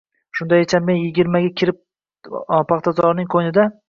Shundayicha mana yigirma birga kiribdi, paxtazorning qoʼynida!